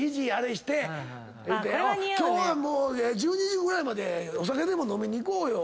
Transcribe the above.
１２時ぐらいまでお酒でも飲みに行こうよ！